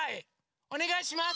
おねがいします。